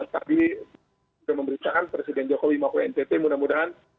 tapi sudah memberi caan presiden jokowi maupun ntt mudah mudahan